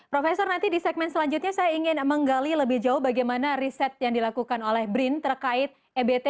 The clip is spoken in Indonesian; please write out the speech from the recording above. profesor nanti di segmen selanjutnya saya ingin menggali lebih jauh bagaimana riset yang dilakukan oleh brin terkait ebt